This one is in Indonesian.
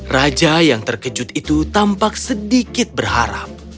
raja yang terkejut itu tampak sedikit berharap